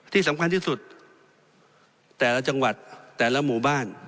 ที่สำคัญที่สุดแต่ละจังหวัดแต่ละหมู่บ้าน